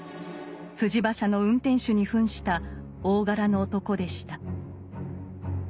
馬車の運転手にふんした大柄の男でした。